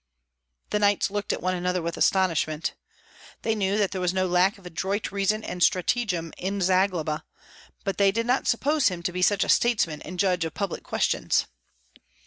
The knights looked at one another with astonishment. They knew that there was no lack of adroit reason and stratagem in Zagloba, but they did not suppose him to be such a statesman and judge of public questions.